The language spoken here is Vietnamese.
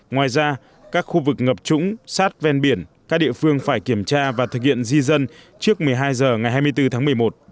ngoài ra các khu vực ngập trũng sát ven biển các địa phương phải kiểm tra và thực hiện di dân trước một mươi hai h ngày hai mươi bốn tháng một mươi một